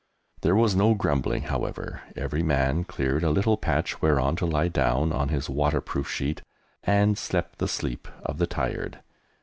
There was no grumbling, however; every man cleared a little patch whereon to lie down on his waterproof sheet, and slept the sleep of the tired.